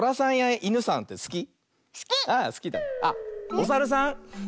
おさるさん